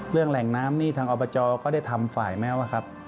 เรื่องแหล่งน้ำนี่ทางออปจก็ได้ทำฝ่ายแมวครับ